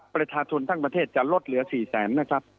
ประชาชนทั้งประเทศจะลดเหลือ๔แสนนะครับ